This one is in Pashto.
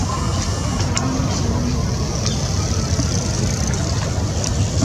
د وینې خورونه ایسته کړل، کومه ځانګړې خبره نه وه.